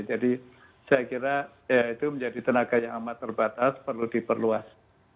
jadi saya kira itu menjadi tenaga yang amat terbatas perlu diperluas